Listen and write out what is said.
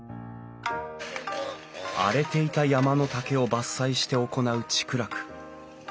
荒れていた山の竹を伐採して行う竹楽。